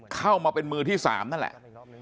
เข้ามาเป็นมือที่๓นั่นแหละ